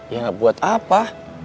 ya ga buat apa